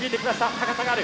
高さがある。